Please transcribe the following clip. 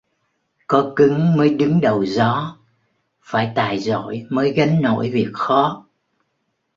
Có cứng mới đứng đầu gió: phải tài giỏi mới gánh nổi việc khó